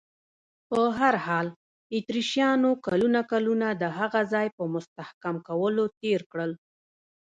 په هر حال، اتریشیانو کلونه کلونه د هغه ځای په مستحکم کولو تېر کړل.